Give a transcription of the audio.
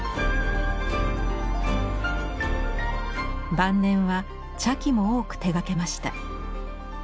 晩年は茶器も多く手がけました。